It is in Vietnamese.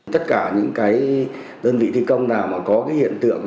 tất cả những cái đơn vị thi công nào mà có cái hiện tượng